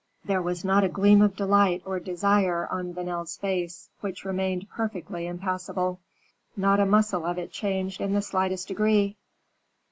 There was not a gleam of delight or desire on Vanel's face, which remained perfectly impassible; not a muscle of it changed in the slightest degree.